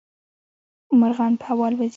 مرغان په هوا الوزي.